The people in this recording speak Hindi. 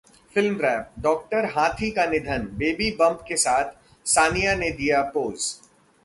FilmWrap: डॉ हाथी का निधन, बेबी बंप के साथ सानिया ने दिया पोज